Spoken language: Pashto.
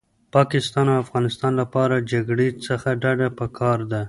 پاکستان او افغانستان لپاره جګړې څخه ډډه پکار ده